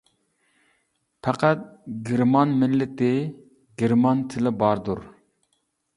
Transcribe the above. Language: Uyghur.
پەقەت، گېرمان مىللىتى، گېرمان تىلى باردۇر.